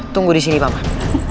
tunggu disini paman